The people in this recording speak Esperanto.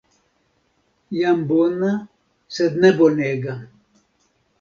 Jam bona sed ne bonega.